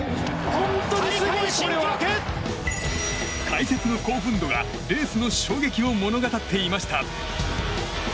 解説の興奮度がレースの衝撃を物語っていました。